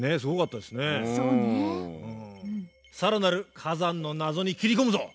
更なる火山の謎に切り込むぞ！